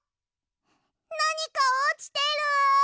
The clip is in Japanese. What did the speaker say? なにかおちてる！